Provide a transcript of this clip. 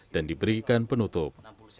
dan diberikan penutup